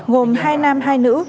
gồm hai nam hai nữ